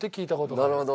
なるほど。